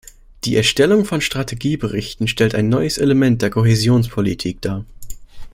Die Erstellung von Strategieberichten stellt ein neues Element der Kohäsionspolitik dar.